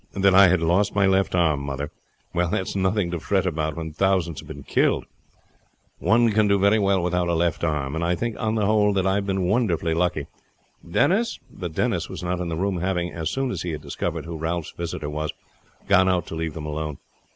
"That I had lost my left arm, mother. Well, that is nothing to fret about when thousands have been killed. One can do very well without a left arm; and I think, on the whole, that I have been wonderfully lucky. Denis!" But Denis was not in the room, having, as soon as he had discovered who Ralph's visitor was, gone out to leave them alone.